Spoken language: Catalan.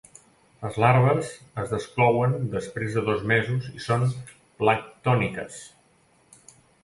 Les larves es desclouen després de dos mesos i són planctòniques.